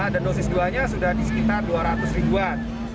dan dosis dua nya sudah di sekitar dua ratus ribuan